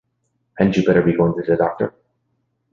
Hadn't you better be going to the doctor?